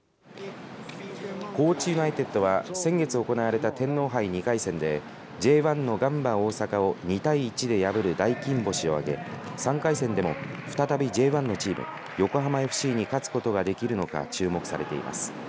高知ユナイテッドは先月行われた天皇杯２回戦でＪ１のガンバ大阪を２対１で破る大金星を挙げ３回戦でも再びＪ１のチーム横浜ＦＣに勝つことができるのか注目されています。